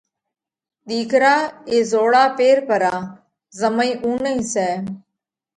ۮِيڪرا اي زوڙا پير پرا۔ زمئِي اُونئِي سئہ۔